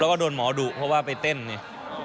แล้วก็โดนหมอดุเพราะว่าไปเต้นเนี่ย